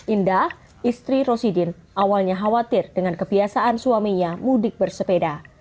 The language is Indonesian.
indah istri rosidin awalnya khawatir dengan kebiasaan suaminya mudik bersepeda